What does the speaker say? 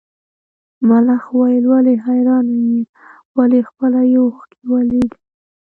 ملخ وویل ولې حیرانه یې ولې خپه یې اوښکي ولې دي.